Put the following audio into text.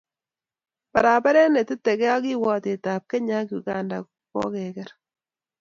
Paraparet neteteke ak kiwatet ab Kenya ak Uganda kokokeker.